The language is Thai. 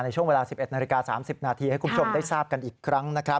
ช่วงเวลา๑๑นาฬิกา๓๐นาทีให้คุณผู้ชมได้ทราบกันอีกครั้งนะครับ